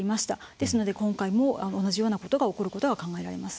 ですので今回も同じようなことが起こることは考えられます。